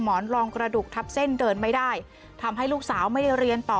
หมอนรองกระดูกทับเส้นเดินไม่ได้ทำให้ลูกสาวไม่ได้เรียนต่อ